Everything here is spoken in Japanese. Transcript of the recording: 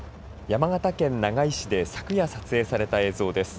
山形県長井市で昨夜、撮影された映像です。